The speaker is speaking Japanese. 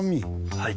はい。